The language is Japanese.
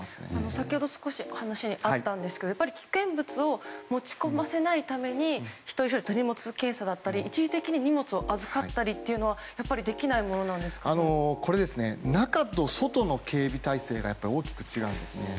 先ほど少し話にあったんですけれども危険物を持ち込ませないために一人ひとりの手荷物検査や一時的に荷物を預かったりというのは中と外の警備体制が大きく違うんですね。